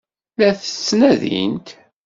La t-ttnadint?